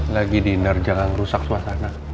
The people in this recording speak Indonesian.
lagi dinner jangan rusak suasana